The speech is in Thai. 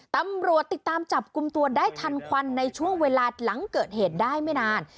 ตำรวจติดตามจับกลุ่มตัวได้ทันควันในช่วงเวลาหลังเกิดเหตุได้ไม่นาน